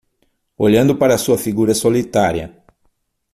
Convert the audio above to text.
Olhando para sua figura solitária